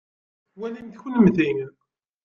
Walimt kunemti.